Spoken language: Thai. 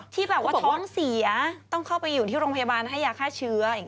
ที่แบบว่าท้องเสียต้องเข้าไปอยู่ที่โรงพยาบาลให้ยาฆ่าเชื้อ